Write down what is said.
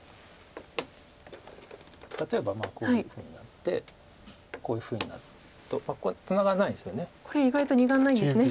例えばこういうふうになってこういうふうになるとここツナがらないんですよね。これ意外と２眼ないんですね。